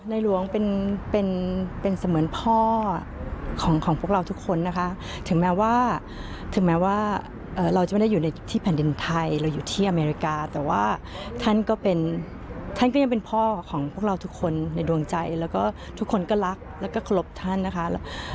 หลวงเป็นเป็นเสมือนพ่อของของพวกเราทุกคนนะคะถึงแม้ว่าถึงแม้ว่าเราจะไม่ได้อยู่ในที่แผ่นดินไทยเราอยู่ที่อเมริกาแต่ว่าท่านก็เป็นท่านก็ยังเป็นพ่อของพวกเราทุกคนในดวงใจแล้วก็ทุกคนก็รักแล้วก็เคารพท่านนะคะ